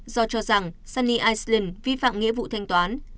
do cho rằng sunny iceland vi phạm nghĩa vụ thanh toán